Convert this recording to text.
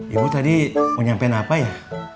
ibu tadi mau nyampein apa ya